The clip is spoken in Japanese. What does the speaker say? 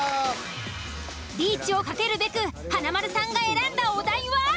リーチをかけるべく華丸さんが選んだお題は？